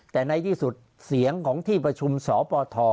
แต่ในที่สุดเสียงของที่ประชุมสปท